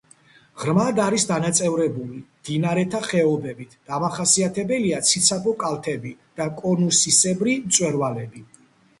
ღრმად არის დანაწევრებული მდინარეთა ხეობებით, დამახასიათებელია ციცაბო კალთები და კონუსისებრი მწვერვალები.